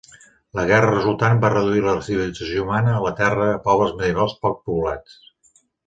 La guerra resultant va reduir la civilització humana a la Terra a pobles medievals poc poblats.